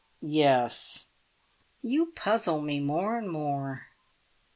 "Yes." "You puzzle me more and more."